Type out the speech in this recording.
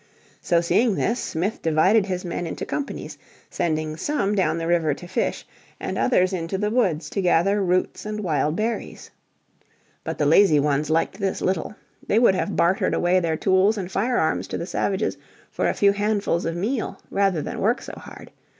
So seeing this Smith divided his men into companies, sending some down the river to fish, and others into the woods to gather roots and wild berries. But the lazy ones liked this little. They would have bartered away their tools and firearms to the savages for a few handfuls of meal rather than work so hard.